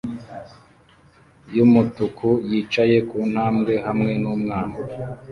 yumutuku yicaye ku ntambwe hamwe numwana